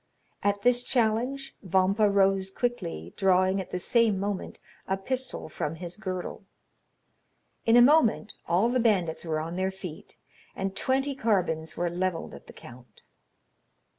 At this challenge, Vampa rose quickly, drawing at the same moment a pistol from his girdle. In a moment all the bandits were on their feet, and twenty carbines were levelled at the count.